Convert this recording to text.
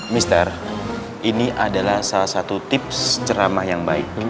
mister ini adalah salah satu tips ceramah yang baik